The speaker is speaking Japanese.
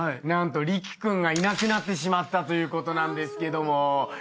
何と凜葵君がいなくなってしまったということなんですけども。